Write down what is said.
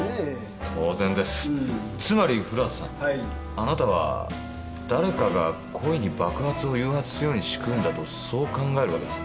あなたはだれかが故意に爆発を誘発するように仕組んだとそう考えるわけですね。